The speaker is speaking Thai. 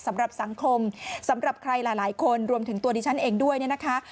สำหรับสังคมสำหรับใครหลายคนรวมถึงตัวดิฉันเองด้วยเนี่ยนะคะ